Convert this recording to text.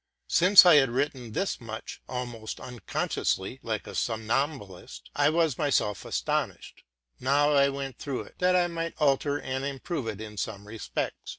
Since I had written thus much almost unconsciously, like a som nambulist, I was myself astonished, now I went through it, that I might alter and improve it in some respects.